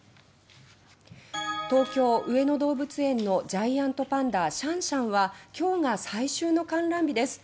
東京上野動物園のジャイアントパンダシャンシャンは今日が最終の観覧日です。